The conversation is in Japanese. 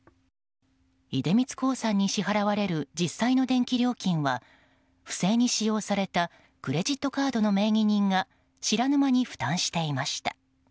出光興産に支払われる実際の電気料金は不正に使用されたクレジットカードの名義人が知らぬ間に負担していました。